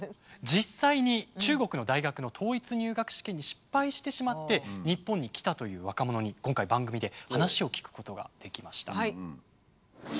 実際に中国の大学の統一入学試験に失敗してしまって日本に来たという若者に今回番組で話を聞くことができました。